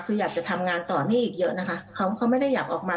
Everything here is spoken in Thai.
คืออยากจะทำงานต่อเนื่องอีกเยอะนะคะเขาเขาไม่ได้อยากออกมา